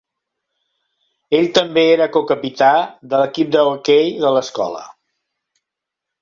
Ell també era co-capità de l"equip de hoquei de l"escola.